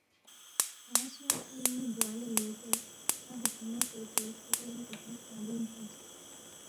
کھیانگ سونگسے ن٘ی بوا لہ یو زیر، ن٘ا ہُوکھنمو چوچو کِھدے لیخمو سپنگ بُوئِنگ تھونسید